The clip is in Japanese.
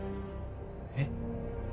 えっ？